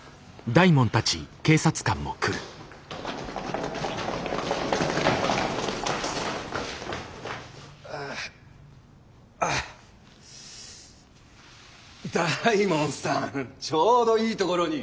大門さんちょうどいいところに。